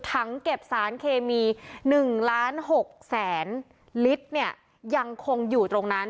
ถังเก็บสารเคมี๑ล้าน๖แสนลิตรเนี่ยยังคงอยู่ตรงนั้น